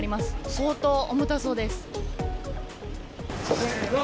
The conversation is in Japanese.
相当重たそうです。